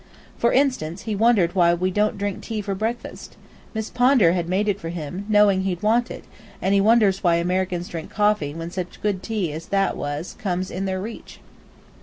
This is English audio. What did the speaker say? For instance, he wondered why we don't drink tea for breakfast. Miss Pondar had made it for him, knowing he'd want it, and he wonders why Americans drink coffee when such good tea as that was comes in their reach.